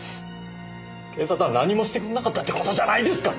警察は何もしてくれなかったって事じゃないですか！